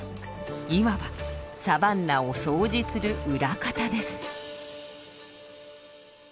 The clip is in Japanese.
いわばサバンナを掃除する「裏方」です。